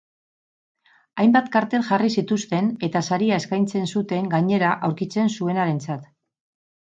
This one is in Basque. Hainbat kartel jarri zituzten eta saria eskaintzen zuten, gainera, aurkitzen zuenarentzat.